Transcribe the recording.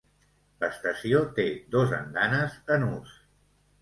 L'estació té dos andanes en ús.